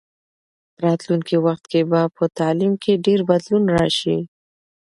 په راتلونکي وخت کې به په تعلیم کې ډېر بدلون راسي.